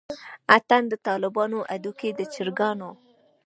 اتڼ دطالبانو هډوکے دچرګانو